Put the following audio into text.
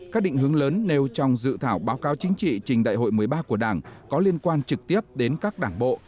các định hướng lớn nêu trong dự thảo báo cáo chính trị trình đại hội một mươi ba của đảng có liên quan trực tiếp đến các đảng bộ